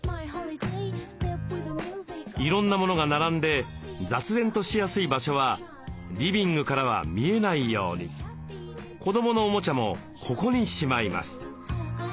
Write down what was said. いろんなモノが並んで雑然としやすい場所はリビングからは見えないように子どものおもちゃもここにしまいます。